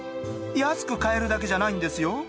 安く買えるだけじゃないんですよ。